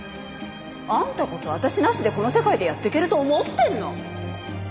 あんたこそ私なしでこの世界でやっていけると思ってるの？